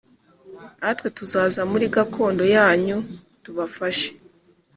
natwe tuzaza muri gakondo yanyu+ tubafashe.”